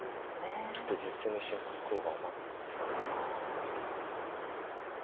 ちょっと実戦の進行は黒が甘すぎて。